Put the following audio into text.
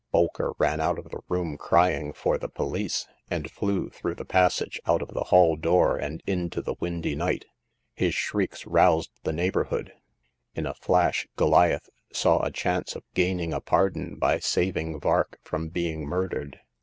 Bolker ran out of the room crying for the poHce, and flew through the passage, out of the hall door, and into the windy night. His shrieks roused the neighborhood. In a flash Goliath saw a chance of gaining a pardon by saving Vark from being murdered.